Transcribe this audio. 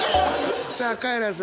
さあカエラさん。